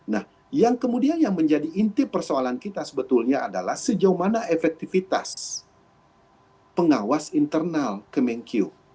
nah yang kemudian yang menjadi inti persoalan kita sebetulnya adalah sejauh mana efektivitas pengawas internal kemenkyu